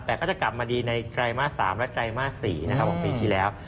แต่ก็จะกลับมาดีในรายมาส๓และรายมาสปีที่แล้ว